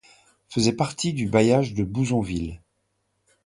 Faisait partie du bailliage de Bouzonville.